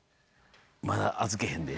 まだ預けへんで。